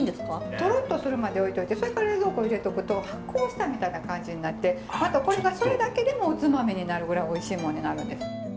トロッとするまで置いといてそれから冷蔵庫入れとくと発酵したみたいな感じになってまたこれがそれだけでもおつまみになるぐらいおいしいもんになるんです。